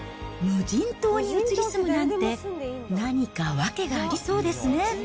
無人島に移り住むなんて、何か訳がありそうですね。